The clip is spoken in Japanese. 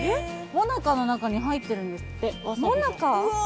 もなかの中に入ってるんですってわさびがうわ